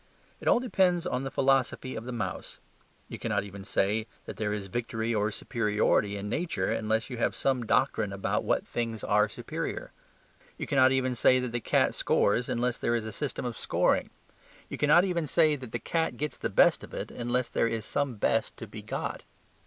It all depends on the philosophy of the mouse. You cannot even say that there is victory or superiority in nature unless you have some doctrine about what things are superior. You cannot even say that the cat scores unless there is a system of scoring. You cannot even say that the cat gets the best of it unless there is some best to be got.